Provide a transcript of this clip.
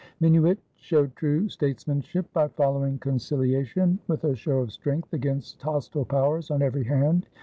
Minuit showed true statesmanship by following conciliation with a show of strength against hostile powers on every hand.